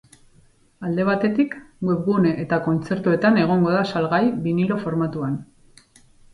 Alde batetik, webgune eta kontzertuetan egongo da salgai binilo formatuan.